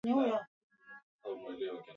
Ma luga ya ma kabila ilianzia ku munara wa babeli